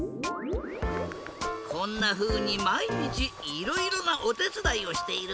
こんなふうにまいにちいろいろなおてつだいをしているんだ。